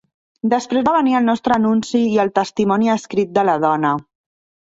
Després va venir el nostre anunci i el testimoni escrit de la dona.